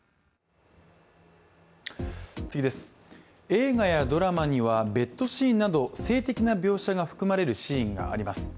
映画やドラマには、ベッドシーンなど性的な描写が含まれるシーンがあります。